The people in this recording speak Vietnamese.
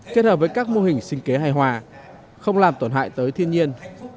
kết hợp với các mô hình sinh kế hài hòa không làm tổn hại tới thiên nhiên